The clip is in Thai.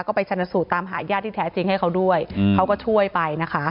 ก็ไปชนสูตรตามหาญาติที่แท้จริงให้เขาด้วยเขาก็ช่วยไปนะคะ